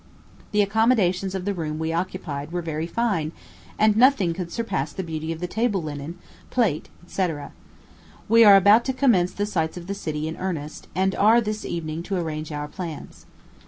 The accommodations of the room we occupied were very fine; and nothing could surpass the beauty of the table linen, plate, &c. We are about to commence the sights of the city in earnest, and are this evening to arrange our plans.